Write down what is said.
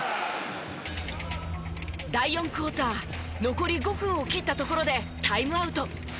第４クォーター残り５分を切ったところでタイムアウト。